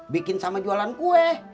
bikin sama jualan kue